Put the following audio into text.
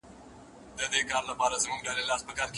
ناکامي د بریا لومړی ګام دی.